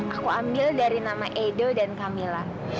aku ambil dari nama edo dan camilla